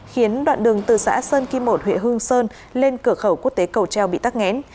khiến đoạn đường từ xã sơn kim một huyện hương sơn lên cửa khẩu quốc tế cầu treo bị tắt nghẽn